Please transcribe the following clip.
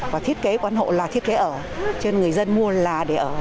và thiết kế quán hộ là thiết kế ở cho người dân mua là để ở